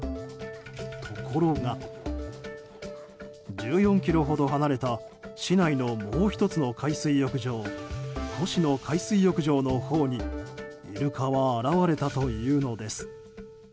ところが１４ｋｍほど離れた市内のもう１つの海水浴場越廼海水浴場のほうにイルカは現れたというのです。